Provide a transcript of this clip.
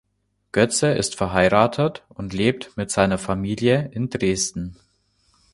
Götze ist verheiratet und lebt mit seiner Familie in Dresden.